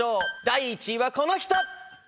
第１位はこの人！